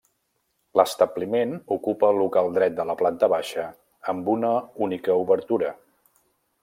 L'establiment ocupa el local dret de la planta baixa amb una única obertura.